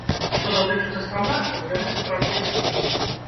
Што датычыцца стандартаў, яны сапраўды існуюць.